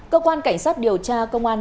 cơ quan cảnh sát điều tra công an